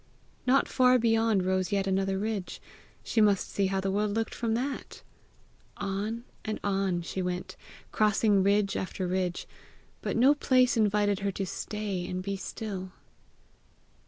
Not far beyond rose yet another ridge: she must see how the world looked from that! On and on she went, crossing ridge after ridge, but no place invited her to stay and be still.